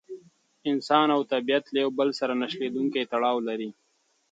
انسان او طبیعت یو له بل سره نه شلېدونکی تړاو لري.